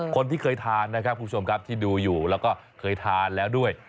คนที่เคยทานนะครับคุณผู้ชมครับที่ดูอยู่แล้วก็เคยทานแล้วด้วย